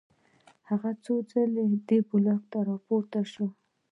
هغه څو ځله دې بلاک ته راپورته شو